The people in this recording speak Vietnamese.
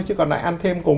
chứ còn lại ăn thêm cùng